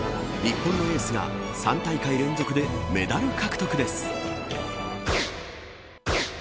日本のエースが３大会連続でメダル獲得です。